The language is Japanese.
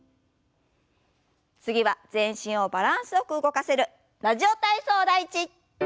次は全身をバランスよく動かせる「ラジオ体操第１」。